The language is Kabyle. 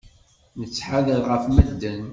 Nettḥadar ɣef medden.